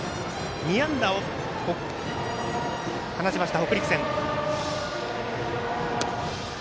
２安打を放ちました、北陸戦。